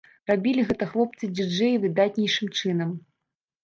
Рабілі гэта хлопцы-дыджэі выдатнейшым чынам.